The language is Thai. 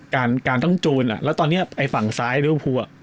การต้องจูนอ่ะแล้วตอนนี้ไอ้ฝั่งซ้ายริวฟูอ่ะ